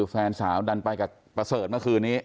แฟนสาวดันไปกับประเสริฐเมื่อคืนนี้